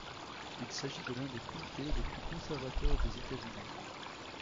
Il s'agit de l'un des comtés les plus conservateurs des États-Unis.